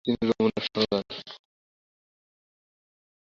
তিনি রোম ও নেপলস যান।